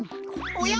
おや？